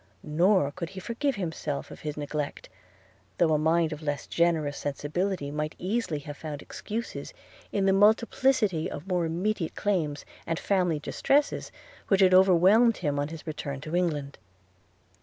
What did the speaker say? Nor could he forgive himself for his neglect; though a mind of less generous sensibility might easily have found excuses in the multiplicity of more immediate claims and family distresses which had overwhelmed him on his return to England.